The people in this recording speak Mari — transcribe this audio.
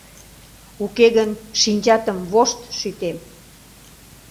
Уке гын шинчатым вошт шӱтем!..